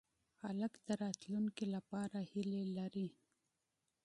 هلک د راتلونکې لپاره هیلې لري.